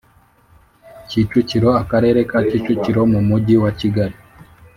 Kicukiro Akarere ka Kicukiro mu Mujyi wa kigali